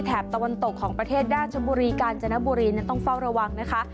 ตะวันตกของประเทศราชบุรีกาญจนบุรีต้องเฝ้าระวังนะคะ